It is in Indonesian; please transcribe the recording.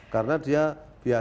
karena dia biasanya